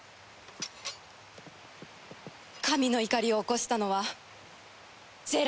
神の怒りを起こしたのはジェラミー！